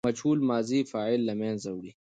مجهول ماضي فاعل له منځه وړي.